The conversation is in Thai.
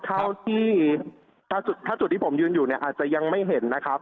เท่าที่ถ้าจุดที่ผมยืนอยู่เนี่ยอาจจะยังไม่เห็นนะครับ